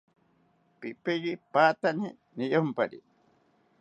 Pipiye patani niyompari